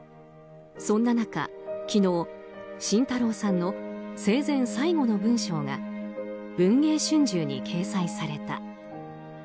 そんな中、昨日慎太郎さんの生前最後の文章が「文藝春秋」に掲載された。